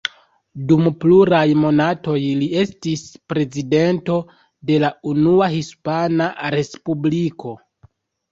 Dum pluraj monatoj li estis prezidento de la Unua Hispana Respubliko.